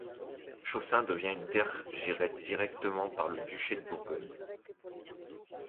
Chaussin devient une terre gérée directement par le duché de Bourgogne.